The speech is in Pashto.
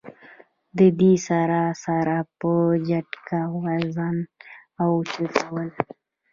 د دې سره سره پۀ جټکه وزن را اوچتول